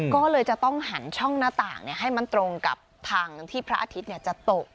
ก็เลยจะต้องหันช่องหน้าต่างให้มันตรงกับทางที่พระอาทิตย์จะตก